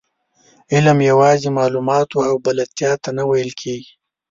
علم یوازې معلوماتو او بلدتیا ته نه ویل کېږي.